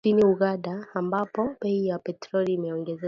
Nchini Uganda, ambapo bei ya petroli imeongezeka